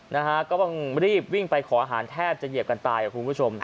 นะคะก็รีบไปขออาหารแทบจะเหยียบกันตายคุณผู้ชม